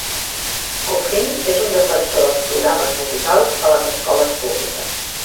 Coffin és un defensor dels programes musicals a les escoles públiques.